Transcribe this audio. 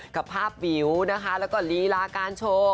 กับภาพวิวนะคะแล้วก็ลีลาการโชว์